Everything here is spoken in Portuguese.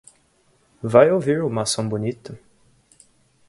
Vai ouvir uma ação bonita.